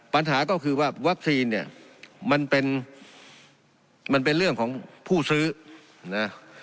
ปัญหาก็คือว่าวัคซีนเนี่ยมันเป็นมันเป็นเรื่องของผู้ซื้อนะ